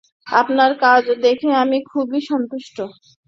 আপনার কাজ দেখে আমি খুবই সন্তুষ্ট।